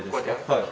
はい。